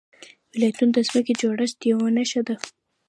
ولایتونه د ځمکې د جوړښت یوه نښه ده.